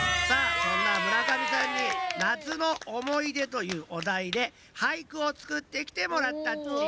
さあそんな村上さんに夏のおもいでというおだいで俳句をつくってきてもらったっち。